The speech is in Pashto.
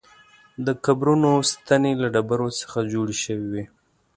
د قبرونو ستنې له ډبرو څخه جوړې شوې وې.